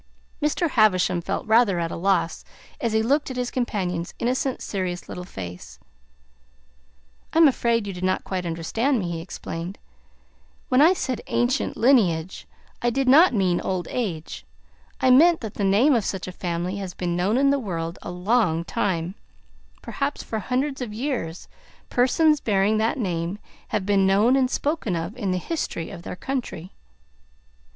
Mr. Havisham felt rather at a loss as he looked at his companion's innocent, serious little face. "I am afraid you did not quite understand me," he explained. "When I said 'ancient lineage' I did not mean old age; I meant that the name of such a family has been known in the world a long time; perhaps for hundreds of years persons bearing that name have been known and spoken of in the history of their country."